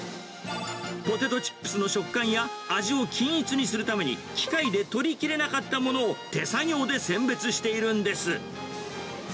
ポテトチップスの食感や味を均一にするために、機械で取りきれなかったものを手作業で選別しているんです。